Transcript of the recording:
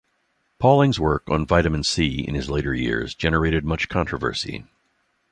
Pauling's work on vitamin C in his later years generated much controversy.